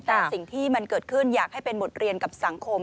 แต่สิ่งที่มันเกิดขึ้นอยากให้เป็นบทเรียนกับสังคม